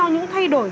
theo những thay đổi